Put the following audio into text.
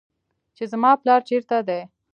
چې زما پلار چېرته دى.